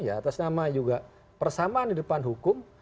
ya atas nama juga persamaan di depan hukum